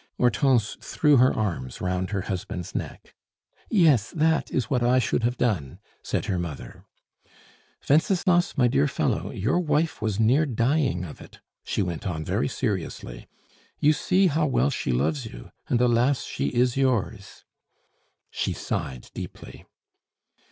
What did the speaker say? Hortense threw her arms round her husband's neck. "Yes, that is what I should have done," said her mother. "Wenceslas, my dear fellow, your wife was near dying of it," she went on very seriously. "You see how well she loves you. And, alas she is yours!" She sighed deeply.